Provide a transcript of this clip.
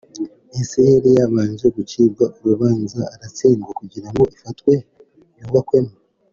ese yari yabanje gucibwa urubanza aratsindwa kugira ngo ifatwe yubakwemo